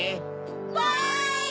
わい！